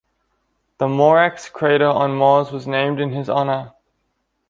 The Moreux crater on Mars was named in his honor.